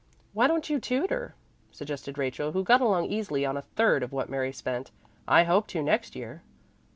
"Why don't you tutor?" suggested Rachel, who got along easily on a third of what Mary spent. "I hope to next year."